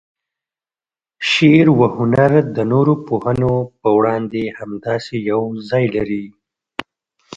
شعر و هنر د نورو پوهنو په وړاندې همداسې یو ځای لري.